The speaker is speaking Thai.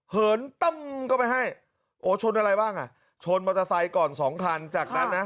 เหินตั้มเข้าไปให้โอ้ชนอะไรบ้างอ่ะชนมอเตอร์ไซค์ก่อนสองคันจากนั้นนะ